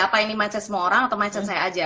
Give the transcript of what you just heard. apa ini mindset semua orang atau mindset saya aja